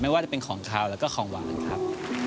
ว่าจะเป็นของขาวแล้วก็ของหวานครับ